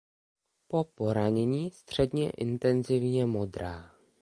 Po poranění středně intenzivně modrá.